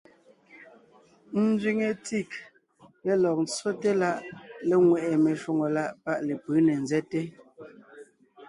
Ńzẅíŋe TIC lélɔg ńtsóte láʼ léŋweʼe meshwóŋè láʼ páʼ lepʉ̌ ne ńzɛ́te.